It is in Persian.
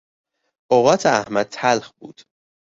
اوقات احمد تلخ بود.